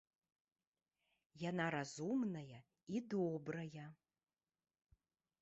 Яна разумная і добрая.